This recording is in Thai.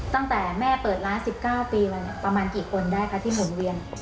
ตั้งแต่แม่เปิดร้าน๑๙ปีเลยประมาณกี่คนได้คะที่หมุนเวียน